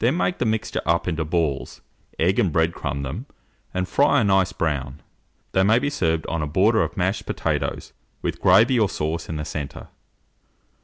Then make the mixture up into balls, egg and bread crumb them, and fry a nice brown. They may be served on a border of mashed potatoes, with gravy or sauce in the centre.